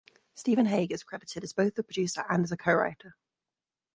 Stephen Hague is credited as both the producer and as a co-writer.